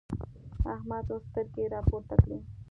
احمد اوس سترګې راپورته کړې.